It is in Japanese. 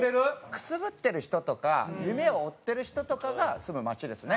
くすぶってる人とか夢を追ってる人とかが住む街ですね